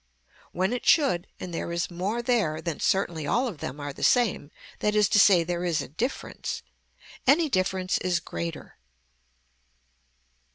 When it should and there is more there then certainly all of them are the same that is to say there is a difference. Any difference is greater.